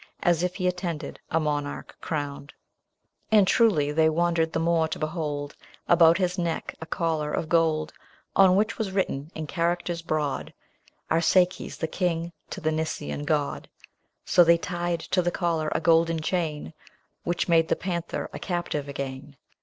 As if he attended a monarch crowned. THE PANTHER. 177 And truly, they wondered the more to behold About his neck a collar of gold, On which was written, in characters broad, " Arsaces the king to the Nysian God." So they tied to the collar a golden chain, Which made the panther a captive again.